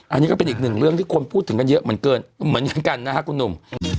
อันนี้ก็เป็นอีกหนึ่งเรื่องที่คนพูดถึงกันเยอะเหมือนกันนะครับคุณหนุ่ม